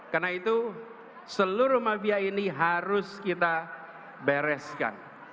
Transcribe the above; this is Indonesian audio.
karena itu seluruh mafia ini harus kita bereskan